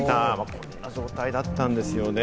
こんな状態だったんですよね。